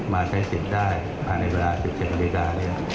มาใช้เสียงได้ผ่านในเวลา๑๗นนี้